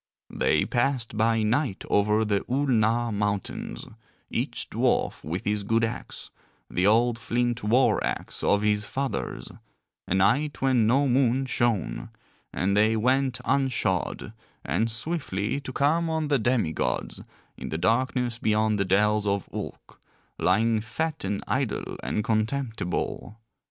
They passed by night over the Oolnar Mountains, each dwarf with his good axe, the old flint war axe of his fathers, a night when no moon shone, and they went unshod, and swiftly, to come on the demi gods in the darkness beyond the dells of Ulk, lying fat and idle and contemptible.